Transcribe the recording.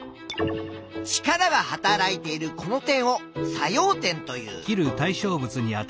力がはたらいているこの点を「作用点」という。